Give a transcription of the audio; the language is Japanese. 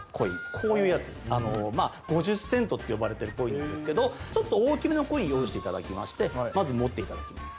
こういうやつ５０セントって呼ばれてるコインなんですけどちょっと大きめのコイン用意していただきましてまず持っていただきます